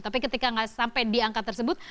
tapi ketika nggak sampai di angka tersebut